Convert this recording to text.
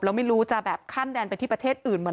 เราไม่รู้จะแบบข้ามแดนไปที่ประเทศอื่น